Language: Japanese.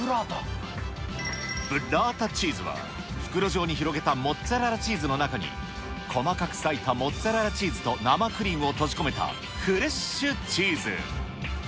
ブッラータチーズは、袋状に広げたモッツァレラチーズの中に、細かく裂いたモッツァレラチーズと生クリームを閉じ込めたフレッシュチーズ。